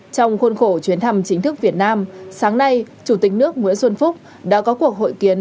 trong khuôn khổ chuyến thăm chính thức việt nam sáng nay chủ tịch nước nguyễn xuân phúc đã có cuộc hội kiến